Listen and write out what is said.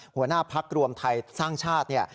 หัวหน้าพักรวมไทยสร้างชาติเนี่ย